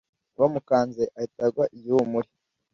bamukanze ahita agwa igihumure